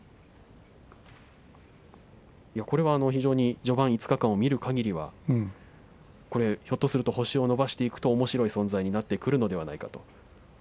これは非常に序盤５日間を見るかぎりはひょっとすると星を伸ばしていくと、おもしろい存在になっていくのではないかと。